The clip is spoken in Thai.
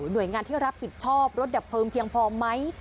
โดยงานที่รับผิดชอบรถดับเพลิงเพียงพอไหม